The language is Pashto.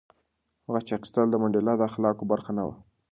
غچ اخیستل د منډېلا د اخلاقو برخه نه وه.